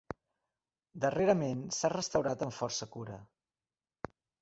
Darrerament s'ha restaurat amb força cura.